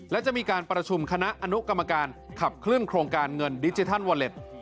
และจะมีการประชุมคณะอนุกรรมการขับเคลื่อนโครงการเงินดิจิทัลวอเล็ต